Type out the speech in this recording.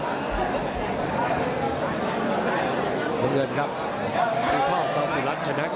ขอบคุณครับคนเห็นครับครับ